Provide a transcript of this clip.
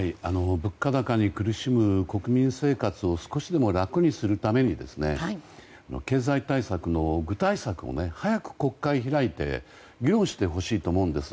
物価高に苦しむ国民生活を少しでも楽にするために経済対策の具体策を早く国会を開いて議論してほしいと思うんです。